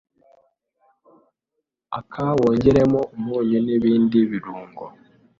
akawongeramo umunyu n’ibindi birungo